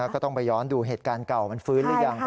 ก็ต้องไปย้อนดูเหตุการณ์เก่ามันฟื้นหรือยัง